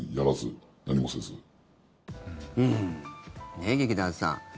ねえ、劇団さん。